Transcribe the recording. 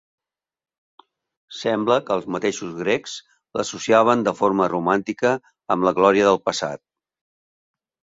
Sembla que els mateixos grecs l'associaven de forma romàntica amb la glòria del passat.